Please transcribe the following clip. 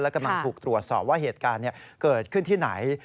กำลังถูกตรวจสอบว่าเหตุการณ์เกิดขึ้นที่ไหน